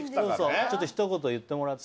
ちょっとひと言言ってもらって。